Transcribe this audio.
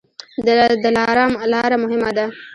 د دلارام لاره مهمه ده